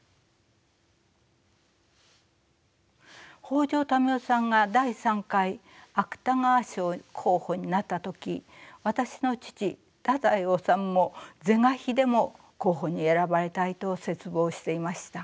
北条民雄さんが第３回芥川賞候補になった時私の父太宰治も是が非でも候補に選ばれたいと切望していました。